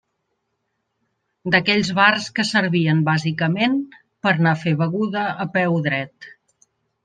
D'aquells bars que servien bàsicament per a anar a fer beguda a peu dret.